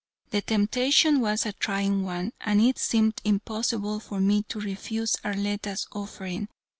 The temptation was a trying one, and it seemed impossible for me to refuse Arletta's offering.